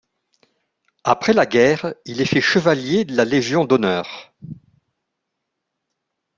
Après la guerre, il est fait chevalier de la Légion d'honneur.